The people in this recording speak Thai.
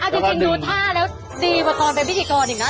จริงดูท่าแล้วดีกว่าตอนเป็นพิธีกรอีกนะ